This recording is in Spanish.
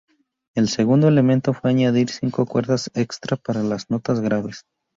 El segundo elemento fue añadir cinco cuerdas extra para las notas graves.